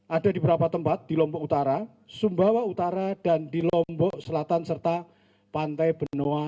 ada di beberapa tempat di lombok utara sumbawa utara dan di lombok selatan serta pantai benoa